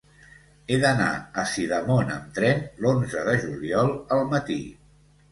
He d'anar a Sidamon amb tren l'onze de juliol al matí.